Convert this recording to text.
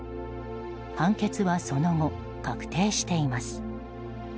判決はその後、確定しています。